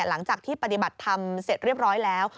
หลังจากที่ปฏิบัติธรรมเสร็จเรียบร้อยแล้ว